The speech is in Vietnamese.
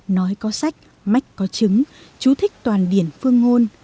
nói có sách mách có trứng chú thích toàn điển phương ngôn